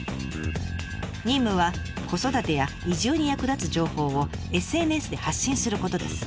任務は子育てや移住に役立つ情報をＳＮＳで発信することです。